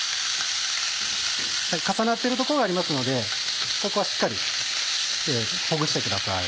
重なってるところがありますのでそこはしっかりほぐしてください。